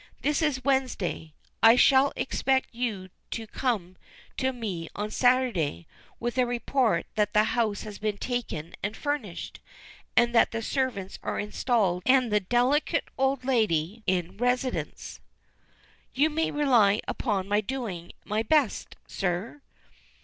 This is Wednesday. I shall expect you to come to me on Saturday with a report that the house has been taken and furnished, and that the servants are installed and the delicate old lady in residence." "You may rely upon my doing my best, sir."